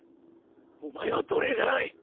お前は奴隷じゃない！！